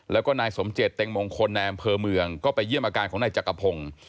แล้วก็นายสมเจตเต็งมงคลในอำเภอเมืองก็ไปเยี่ยมอาการของนายจักรพงศ์